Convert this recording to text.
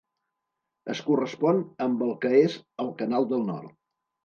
Es correspon amb el que és el Canal del Nord.